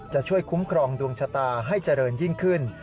จะช่วยคุ้มครองดวงชะตาให้เจริญยิ่งขึ้น